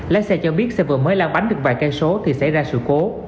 lái xe cho biết xe vừa mới lan bánh được vài cây số thì xảy ra sự cố